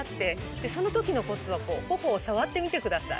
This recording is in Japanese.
でその時のコツは頬を触ってみてください。